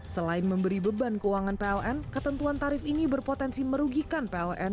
selain memberi beban keuangan pln ketentuan tarif ini berpotensi merugikan pln